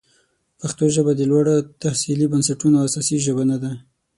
پښتو ژبه د لوړو تحصیلي بنسټونو اساسي ژبه نه ده.